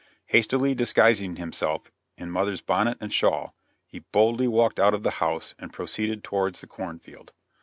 Hastily disguising himself in mother's bonnet and shawl, he boldly walked out of the house and proceeded towards the corn field.